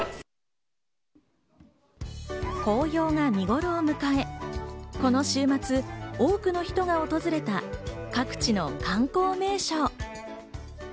紅葉が見ごろを迎え、この週末、多くの人が訪れた各地の観光名所。